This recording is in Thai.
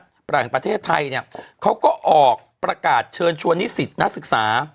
แห่งประเทศไทยเนี่ยเขาก็ออกประกาศเชิญชวนนิสิตนักศึกษา